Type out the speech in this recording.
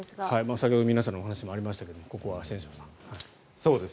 先ほど皆さんのお話にもありましたがここは千正さん。